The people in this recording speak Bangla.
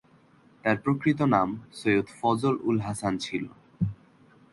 তাঁর প্রকৃত নাম সৈয়দ ফজল-উল-হাসান ছিলো।